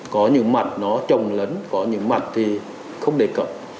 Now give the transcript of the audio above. có những mặt nó trồng lấn có những mặt thì không đề cập